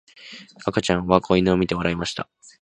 赤ちゃんは子犬を見て笑いました。